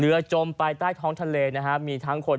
จมไปใต้ท้องทะเลนะฮะมีทั้งคน